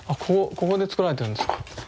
ここで作られてるんですか？